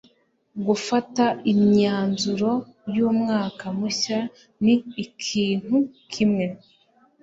gufata imyanzuro y'umwaka mushya ni ikintu kimwe